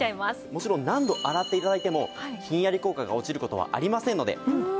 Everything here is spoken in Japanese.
もちろん何度洗って頂いてもひんやり効果が落ちる事はありませんのでご安心ください。